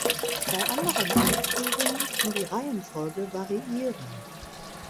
Bei anderen Aufführungen kann die Reihenfolge variieren.